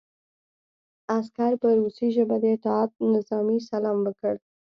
عسکر په روسي ژبه د اطاعت نظامي سلام وکړ